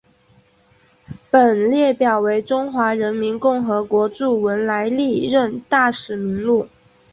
本列表为中华人民共和国驻文莱历任大使名录。